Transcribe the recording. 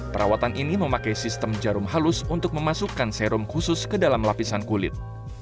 perawatan ini memakai sistem jarum halus untuk memasukkan serum khusus ke dalam lapisan kulit